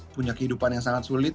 punya kehidupan yang sangat sulit